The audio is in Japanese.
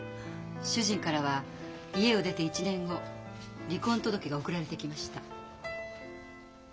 主人からは家を出て１年後離婚届が送られてきました。